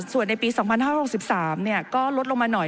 ส่วนในปีสองพันห้าร้อยห้าร้อยสิบสามเนี่ยก็ลดลงมาหน่อย